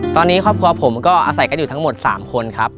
ตอนนี้ครอบครัวผมก็อาศัยกันอยู่ทั้งหมด๓คนครับ